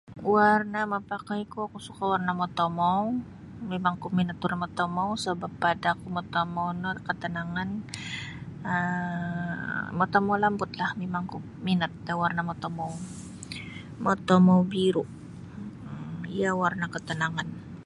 Warna mapakai ku oku suka warna matomou mimangku minat warna matomou sabab pada ku matomou no katanangan um matomou lambutlah mimang ku minat atau warna matomou matomou biru um iyo warna katanangan.